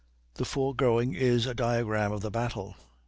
] The foregoing is a diagram of the battle.